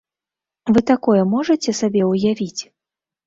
Вы такое можаце сабе ўявіць?